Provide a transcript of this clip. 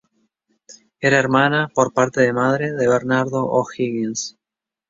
Era hermana, por parte de madre, de Bernardo O'Higgins.